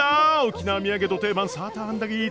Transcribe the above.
沖縄土産の定番サーターアンダギー。